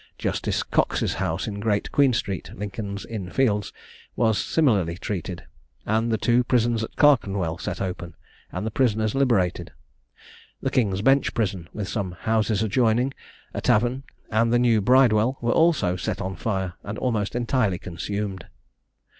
Justice Coxe's house in Great Queen street, Lincoln's Inn Fields, was similarly treated; and the two prisons at Clerkenwell set open, and the prisoners liberated. The King's Bench Prison, with some houses adjoining, a tavern, and the New Bridewell, were also set on fire, and almost entirely consumed.